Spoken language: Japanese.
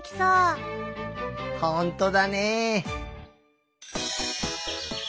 ほんとだね。